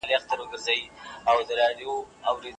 رسول الله، له عائشې رضي الله عنها سره د ځغاستي سيالي هم کړې ده